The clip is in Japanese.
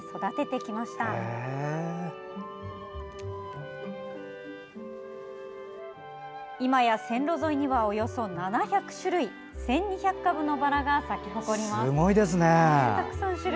いまや線路沿いにはおよそ７００種類１２００株のバラが咲き誇ります。